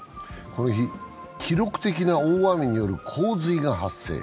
この日、記録的な大雨による洪水が発生。